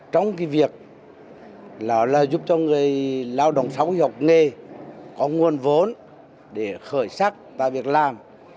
trong việc giúp cho người lao động sống học nghề có nguồn vốn để khởi sắc và việc làm